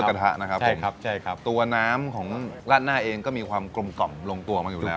กระทะนะครับผมครับใช่ครับตัวน้ำของราดหน้าเองก็มีความกลมกล่อมลงตัวมาอยู่แล้ว